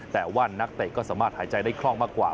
แต่ว่านักเตะก็สามารถหายใจได้คล่องมากกว่า